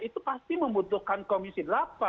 itu pasti membutuhkan komisi delapan